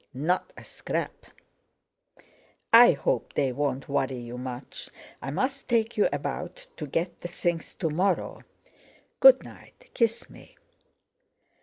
"Not a scrap." "I hope they won't worry you much. I must take you about to get the things to morrow. Good night; kiss me."